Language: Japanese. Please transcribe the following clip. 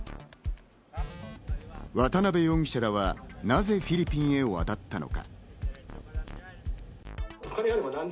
渡辺容疑者らはなぜフィリピンへ渡ったのか？